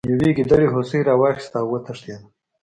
یوې ګیدړې هوسۍ راواخیسته او وتښتیده.